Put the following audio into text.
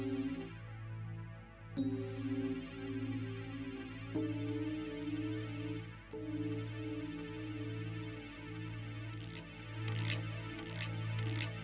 oh itu orangnya